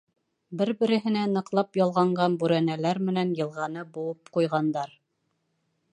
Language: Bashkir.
Бер-береһенә ныҡлап ялғанған бүрәнәләр менән йылғаны быуып ҡуйғандар.